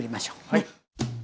はい。